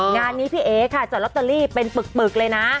งานนี้พี่เอ๋ค่ะจัดลอตเตอรี่เป็นปึกเลยนะ